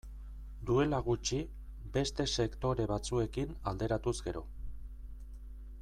Duela gutxi, beste sektore batzuekin alderatuz gero.